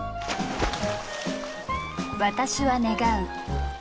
私は願う。